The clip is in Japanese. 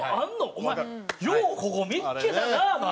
「お前ようここ見付けたな」のあれ。